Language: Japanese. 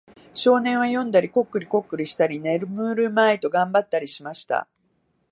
少年は読んだり、コックリコックリしたり、眠るまいと頑張ったりしました。